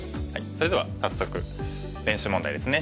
それでは早速練習問題ですね。